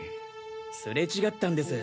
すれ違ったんです。